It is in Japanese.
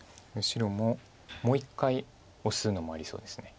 白ももう一回オスのもありそうです。